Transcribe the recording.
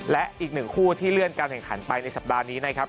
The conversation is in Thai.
และอีกหนึ่งคู่ที่เลื่อนการแข่งขันไปในสัปดาห์นี้นะครับ